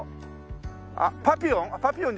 あっパピヨン？